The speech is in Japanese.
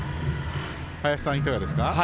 林さん、いかがですか？